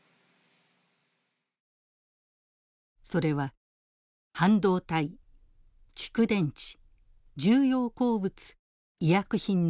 それは半導体蓄電池重要鉱物医薬品の４分野。